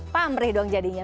pameri dong jadinya